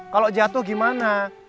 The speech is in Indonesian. kalau jatuh gimana